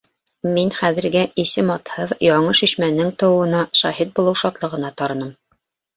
Мин хәҙергә исем-атһыҙ яңы шишмәнең тыуыуына шаһит булыу шатлығына тарыным...